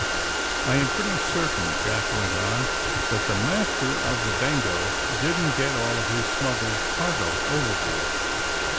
"I am pretty certain," Jack went on, "that the master of the 'Bengo' didn't get all of his smuggled cargo overboard.